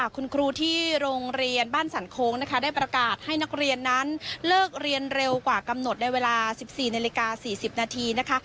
คุณครูที่โรงเรียนบ้านสันโค้งนะคะได้ประกาศให้นักเรียนนั้นเลิกเรียนเร็วกว่ากำหนดในเวลา๑๔นาฬิกา๔๐นาทีนะคะ